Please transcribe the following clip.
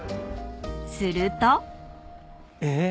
［すると］え？